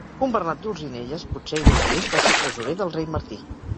Un Bernat d'Olzinelles, potser ell mateix, va ser tresorer del rei Martí.